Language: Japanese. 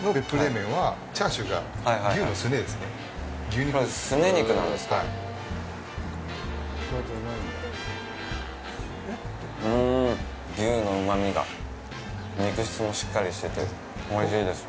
牛のうまみが肉質もしっかりしてておいしいです。